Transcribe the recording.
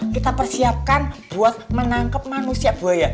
kita persiapkan buat menangkap manusia buaya